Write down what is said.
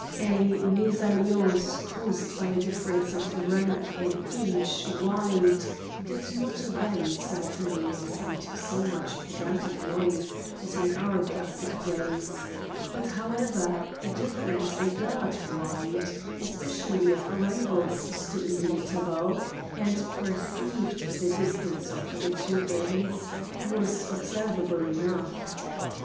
A mésalliance caused by a difference of rank an inch wide, did not then, certainly, excite so much pedantic noise as in our classic days; but, however, a difference a yard wide, especially if rivals stood in the interval, and perceived the distance of the two ends, was observable enough.